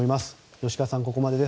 吉川さん、ここまでです。